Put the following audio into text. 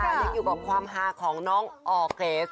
ยังอยู่กับความฮาของน้องออร์เกรส